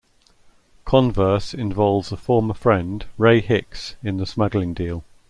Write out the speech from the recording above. Converse involves a former friend, Ray Hicks, in the smuggling deal.